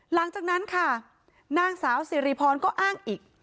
หลังจากนั้นค่ะนางสาวสิริพรก็อ้างอีก